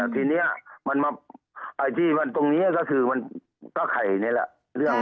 แต่ทีนี้ตรงนี้ก็คือก็ไขเง้อแล้วครับ